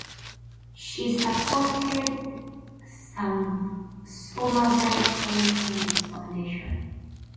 She supported Somerville College from its foundation.